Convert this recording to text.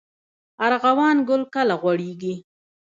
ارغوان ګل کله غوړیږي؟